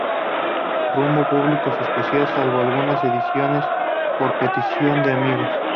Pombo publicó sus poesías, salvo algunas ediciones por petición de amigos.